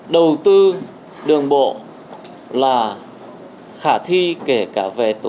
đầu tư đường bộ là khả thi kể cả về tổ chức xây dựng